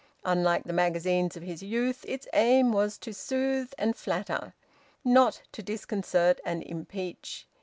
Unlike the magazines of his youth, its aim was to soothe and flatter, not to disconcert and impeach.